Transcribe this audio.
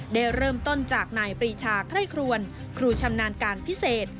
ได้เริ่มต้นจากนายปรีชาไคร่ครวนครูชำนาญการพิเศษ